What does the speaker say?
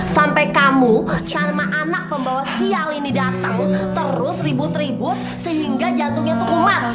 sampai kamu sama anak pembawa sial ini datang terus ribut ribut sehingga jantungnya itu umat